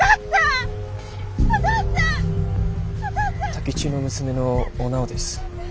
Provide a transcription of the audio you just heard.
太吉の娘のお直です。